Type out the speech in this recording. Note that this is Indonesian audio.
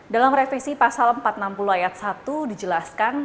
dalam revisi pasal empat ratus enam puluh ayat satu dijelaskan